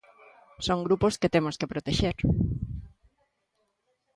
Son grupos que temos que protexer.